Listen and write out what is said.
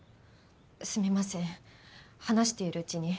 すみません話しているうちに食欲が。